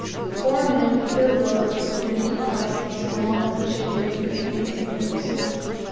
Four men, with their loads, were permitted to cross in the small, unshapely, and cranky canoes.